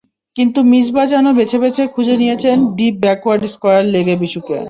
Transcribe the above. কিন্তু মিসবাহ যেন বেছে বেছে খুঁজে নিয়েছেন ডিপ ব্যাকওয়ার্ড স্কয়ার লেগে বিশুকে।